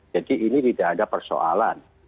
jadi ini tidak ada persoalan